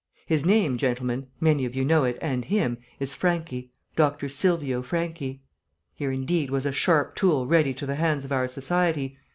His name gentlemen, many of you know it and him is Franchi, Dr. Silvio Franchi. Here, indeed, was a sharp tool ready to the hands of our society.